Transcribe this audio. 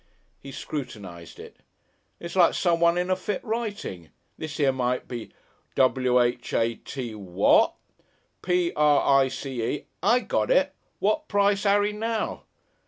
He scrutinised it. "It's like someone in a fit writing. This here might be W H A T what. P R I C E I got it! What price Harry now?